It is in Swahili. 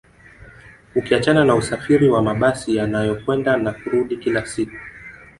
Ukiachana na usafiri wa mabasi yanayokwenda na kurudi kila siku